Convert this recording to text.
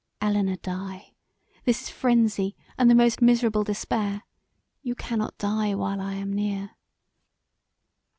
Elinor die! This is frenzy and the most miserable despair: you cannot die while I am near."